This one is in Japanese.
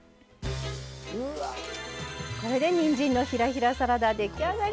これでにんじんのひらひらサラダ出来上がりです。